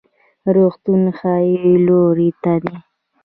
روغتون ښي لوري ته دی